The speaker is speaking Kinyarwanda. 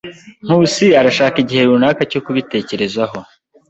Nkusi arashaka igihe runaka cyo kubitekerezaho.